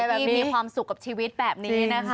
มีความสุขกับชีวิตแบบนี้นะคะ